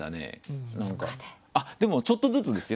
でもちょっとずつですよ。